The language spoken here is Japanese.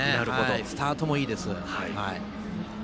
スタートもいいです。